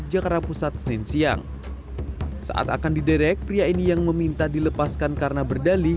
jakarta pusat senin siang saat akan diderek pria ini yang meminta dilepaskan karena berdali